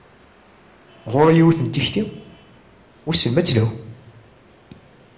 Ɣur-i yiwet n tikti, wissen ma ad telhu.